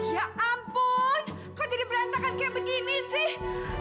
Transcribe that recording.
ya ampun kok tidak berantakan kayak begini sih